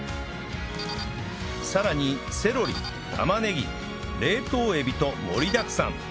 さらにセロリ玉ねぎ冷凍エビと盛りだくさん